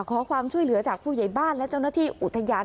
ขอความช่วยเหลือจากผู้ใหญ่บ้านและเจ้าหน้าที่อุทยาน